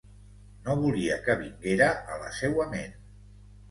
No volia que vinguera a la seua ment.